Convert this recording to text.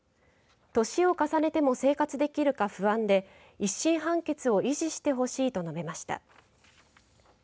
年を重ねても生活できるか不安で１審判決を維持してほしいと述べました。